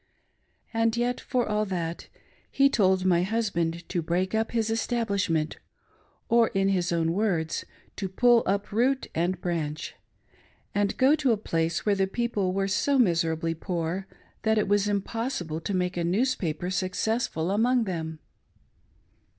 And yet, for all that, he told my husband to break up his establishment, or in his own words, to " pull up root and branch," and go to a place where the people were so miserably poor that it was impossible to make a newspaper successful among them.